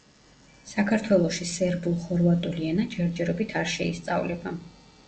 საქართველოში სერბულ-ხორვატული ენა ჯერჯერობით არ შეისწავლება.